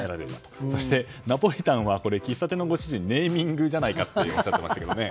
そして、ナポリタンは喫茶店のご主人ネーミングじゃないかとおっしゃっていましたが。